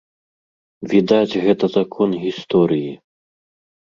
Відаць, гэта закон гісторыі.